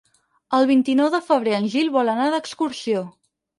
El vint-i-nou de febrer en Gil vol anar d'excursió.